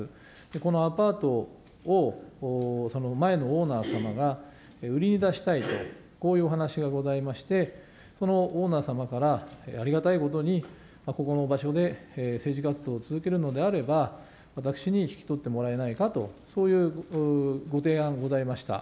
このアパートを前のオーナー様が売りに出したいと、こういうお話しがございまして、そのオーナー様からありがたいことに、ここの場所で政治活動を続けるのであれば、私に引き取ってもらえないかと、そういうご提案ございました。